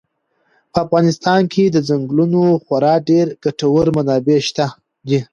په افغانستان کې د ځنګلونو خورا ډېرې ګټورې منابع شته دي.